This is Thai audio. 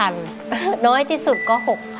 น้อยที่สุดก็๖๐๐